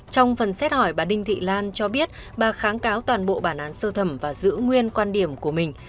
trong phần xét hỏi bà đinh thị lan cho biết bà kháng cáo toàn bộ bản án sơ thẩm và giữ nguyên quan điểm của mình